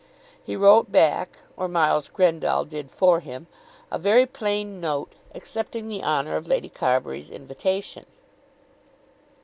He wrote back, or Miles Grendall did for him, a very plain note, accepting the honour of Lady Carbury's invitation.